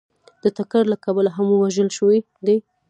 د ټکر له کبله هم وژل شوي دي